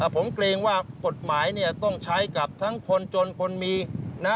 ผมเกรงว่ากฎหมายต้องใช้กับทั้งคนจนคนมีนะ